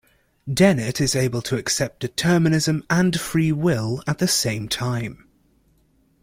Dennett is able to accept determinism and free will at the same time.